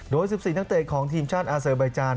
โดย๑๔นักเตะของทีมชาติอาเซอร์ใบจาน